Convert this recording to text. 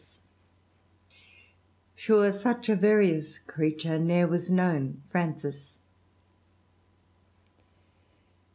•* Sure such a various creature ne'er was known," Francis.